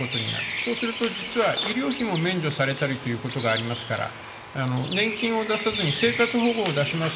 そうすると、実は医療費も免除されたりということがありますから、年金を出さずに生活保護を出します。